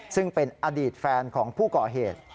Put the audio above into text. ซึ่งเป็นอดีตแฟนของผู้ก่อเหตุ